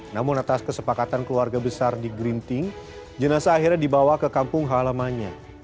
namun atas kesepakatan keluarga besar di grinting jenasa akhirnya dibawa ke kampung halamannya